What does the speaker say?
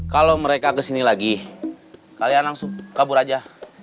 kalau mereka kesini lagi kalian langsung kabur aja